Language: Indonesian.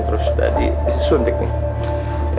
terus udah disuntik nih